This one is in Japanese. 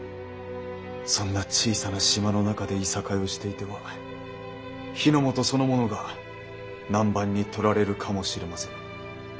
そんな小さな島の中でいさかいをしていては日ノ本そのものが南蛮に取られるかもしれませぬ。